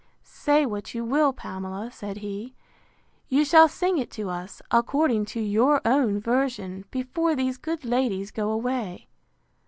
Say what you will, Pamela, said he, you shall sing it to us, according to your own version, before these good ladies go away.